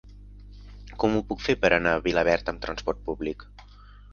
Com ho puc fer per anar a Vilaverd amb trasport públic?